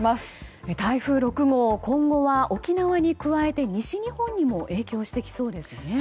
台風６号、今後は沖縄に加えて西日本にも影響してきそうですよね。